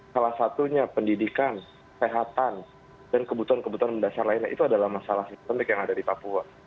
salah satunya pendidikan kesehatan dan kebutuhan kebutuhan mendasar lainnya itu adalah masalah sistemik yang ada di papua